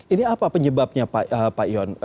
ini apa penyebabnya pak ion